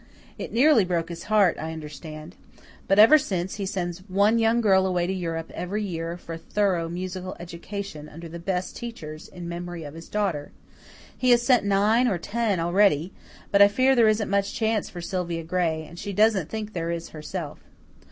It nearly broke his heart, I understand. But ever since, he sends one young girl away to Europe every year for a thorough musical education under the best teachers in memory of his daughter. He has sent nine or ten already; but I fear there isn't much chance for Sylvia Gray, and she doesn't think there is herself."